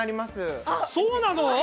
そうなの！？